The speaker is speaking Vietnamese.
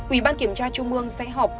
ủy ban kiểm tra trung ương sẽ họp